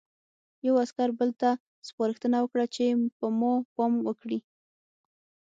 یوه عسکر بل ته سپارښتنه وکړه چې په ما پام وکړي